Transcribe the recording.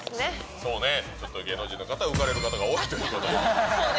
そうね、芸能人の方は浮かれる方が多いということで。